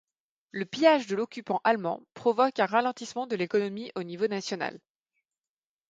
Le pillage de l’occupant allemand provoque un ralentissement de l’économie au niveau national.